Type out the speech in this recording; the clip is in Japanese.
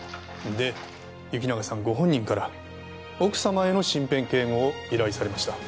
で行永さんご本人から奥様への身辺警護を依頼されました。